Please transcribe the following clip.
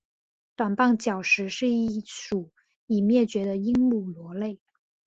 短棒角石是一属已灭绝的鹦鹉螺类。